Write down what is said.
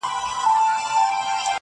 ته چي راغلې سپين چي سوله تور باڼه.